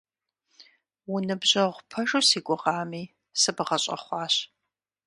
Уныбжьэгъу пэжу си гугъами, сыбгъэщӀэхъуащ.